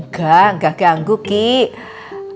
enggak enggak ganggu kiki